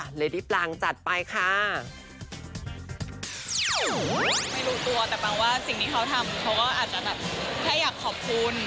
ปรางจัดไปค่ะไม่รู้ตัวแต่ปังว่าสิ่งที่เขาทำเขาก็อาจจะแบบแค่อยากขอบคุณ